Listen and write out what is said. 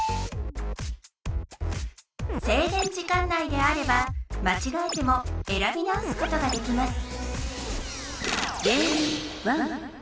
せいげん時間内であればまちがえてもえらび直すことができます